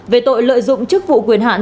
về tội lợi dụng chức vụ quyền hạn